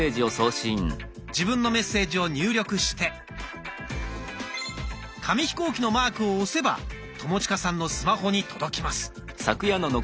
自分のメッセージを入力して紙飛行機のマークを押せば友近さんのスマホに届きます。